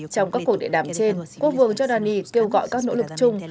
trong các cuộc điện đàm trên quốc vương giordani kêu gọi các nỗ lực chung